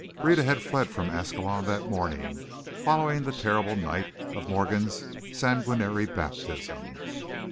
Rhetta had fled from Ascalon that morning, following the terrible night of Morgan's sanguinary baptism.